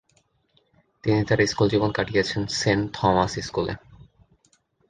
তিনি তার স্কুল জীবন কাটিয়েছেন সেন্ট থমাস স্কুলে।